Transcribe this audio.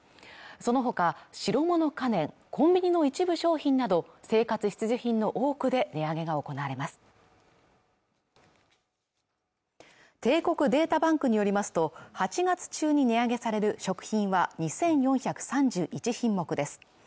そのほか白物家電コンビニの一部商品など生活必需品の多くで利上げが行われます帝国データバンクによりますと８月中に値上げされる食品は２４３１品目です